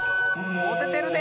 もててるで！